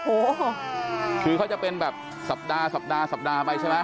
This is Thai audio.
โอ้โหคือเขาจะเป็นแบบสัปดาห์สัปดาห์ไปใช่ไหม